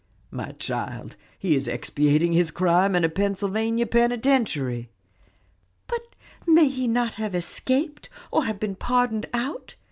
"My child, he is expiating his crime in a Pennsylvania penitentiary." "But may he not have escaped, or have been pardoned out?